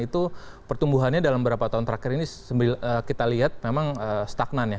itu pertumbuhannya dalam beberapa tahun terakhir ini kita lihat memang stagnan ya